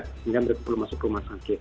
hingga mereka belum masuk rumah sakit